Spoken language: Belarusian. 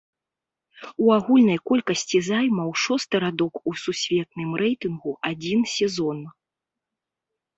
У агульнай колькасці займаў шосты радок у сусветным рэйтынгу адзін сезон.